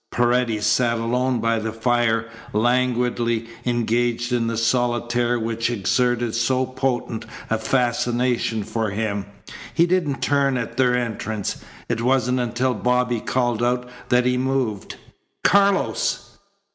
Paredes sat alone by the fire, languidly engaged in the solitaire which exerted so potent a fascination for him. He didn't turn at their entrance. It wasn't until Bobby called out that he moved. "Carlos!"